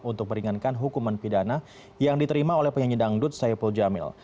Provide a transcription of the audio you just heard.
untuk meringankan hukuman pidana yang diterima oleh penyanyi dangdut saipul jamil